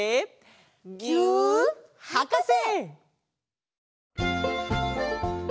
「ぎゅーっはかせ」！